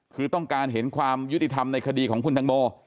คือต้องการเห็นความยุติธรรมในคดีของคุณตังโม